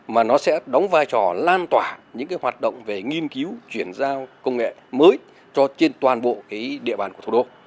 mà nó sẽ đóng vai trò lan tỏa những hoạt động về nghiên cứu chuyển giao công nghệ mới cho trên toàn bộ địa bàn của thủ đô